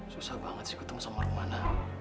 susah banget sih ketemu sama rumana